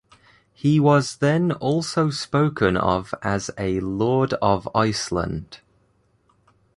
He was then also spoken of as a lord of Iceland.